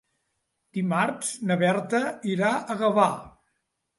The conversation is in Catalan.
Dimarts na Berta irà a Gavà.